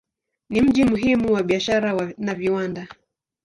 Ni mji muhimu wa biashara na viwanda.